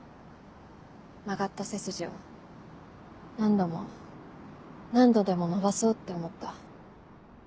曲がった背筋を何度も何度でも伸ばそうって思った。